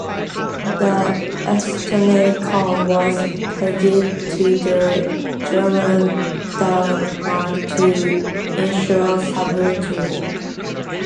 The Estonian kroon was pegged to the German Deutschmark to ensure stability.